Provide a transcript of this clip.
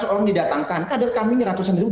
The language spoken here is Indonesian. lima ratus orang didatangkan kader kami ini ratusan ribu